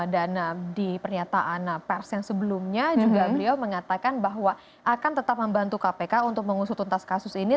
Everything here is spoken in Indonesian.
dan di pernyataan pers yang sebelumnya juga beliau mengatakan bahwa akan tetap membantu kpk untuk mengusutuntas kasus ini